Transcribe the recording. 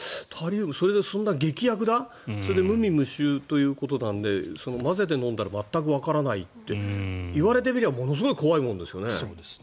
そんな劇薬だそれで無味無臭ということなので混ぜて飲んだら全くわからないって言われてみればものすごい怖いものですよね。